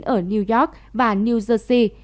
ở new york và new jersey